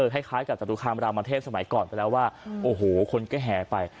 คล้ายกับจตุคามรามเทพสมัยก่อนไปแล้วว่าโอ้โหคนก็แห่ไป